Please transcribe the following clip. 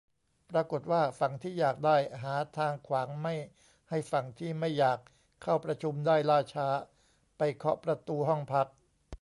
ปรากฏว่า ฝั่งที่อยากได้ หาทางขวางไม่ให้ฝั่งที่ไม่อยาก เข้าประชุมได้ล่าช้า ไปเคาะประตูห้องพัก